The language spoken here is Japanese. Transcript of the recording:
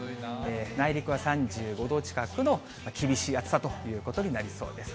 内陸は３５度近くの厳しい暑さということになりそうです。